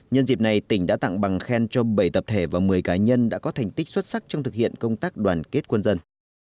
nhân dịp này tỉnh đã tặng bằng khen cho bảy tập thể và một mươi cá nhân đã có thành tích xuất sắc trong thực hiện công tác đoàn kết quân dân